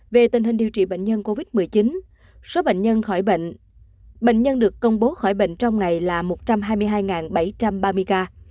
về tình hình điều trị bệnh nhân covid một mươi chín số bệnh nhân được công bố khỏi bệnh trong ngày là một trăm hai mươi hai bảy trăm ba mươi ca